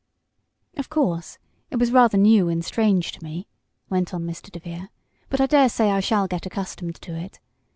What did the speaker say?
"Of course it was rather new and strange to me," went on Mr. DeVere, "but I dare say I shall get accustomed to it.